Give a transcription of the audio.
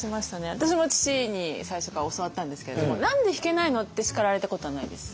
私も父に最初から教わったんですけれども「何で弾けないの」って叱られたことはないです。